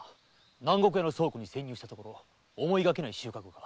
南国屋の倉庫に潜入したところ思いがけない収穫が。